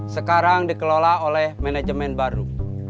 sekarang dikelola oleh manajemen baru